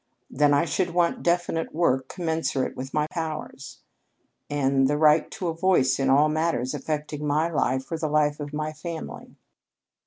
Then I should want definite work commensurate with my powers; and the right to a voice in all matters affecting my life or the life of my family."